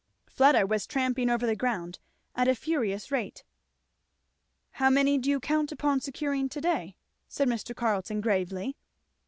Fleda was tramping over the ground at a furious rate. "How many do you count upon securing to day?" said Mr. Carleton gravely.